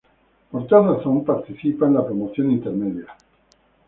Por tal razón, participa a la promoción intermedia.